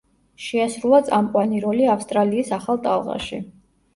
შეასრულა წამყვანი როლი ავსტრალიის ახალ ტალღაში.